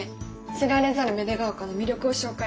知られざる芽出ヶ丘の魅力を紹介。